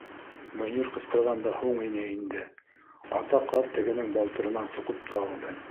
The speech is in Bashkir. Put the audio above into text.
Мөнир ҡысҡырғанда һуң ине инде, ата ҡаҙ тегенең балтырынан суҡып та алды.